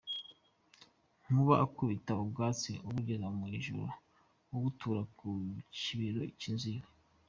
Nkuba akubita ubwatsi abugeza mu ijuru, abutura ku kibero cy’inzu iwe.